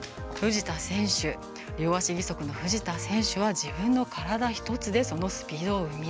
両足義足の藤田選手は自分の体１つで、そのスピードを生み出します。